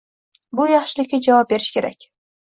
Bu yaxshilikka javob berish kerak.